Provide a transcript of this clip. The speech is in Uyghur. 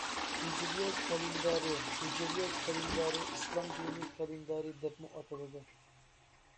ھىجرىيە كالېندارى ھىجرىيە كالېندارى ئىسلام دىنى كالېندارى دەپمۇ ئاتىلىدۇ.